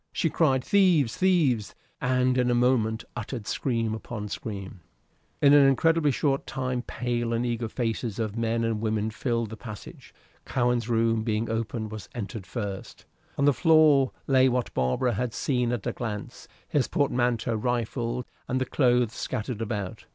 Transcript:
She cried, "Thieves! thieves!" and in a moment uttered scream upon scream. In an incredibly short time pale and eager faces of men and women filled the passage. Cowen's room, being open, was entered first. On the floor lay what Barbara had seen at a glance his portmanteau rifled and the clothes scattered about.